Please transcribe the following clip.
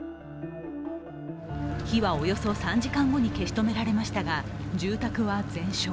火はおよそ３時間後に消し止められましたが住宅は全焼。